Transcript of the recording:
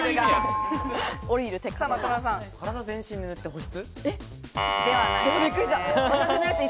体全身に塗って保湿。